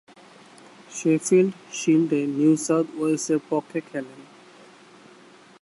Sheffield শিল্ডে New South ওয়েলসের পক্ষে খেলেন।